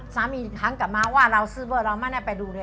อีกครั้งกลับมาว่าเราซื้อเบอร์เราไม่ได้ไปดูเลย